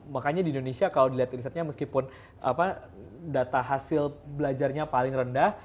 makanya di indonesia kalau dilihat risetnya meskipun data hasil belajarnya paling rendah